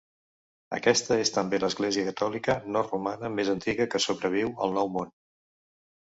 Aquesta és també l'església catòlica no romana més antiga que sobreviu al Nou Món.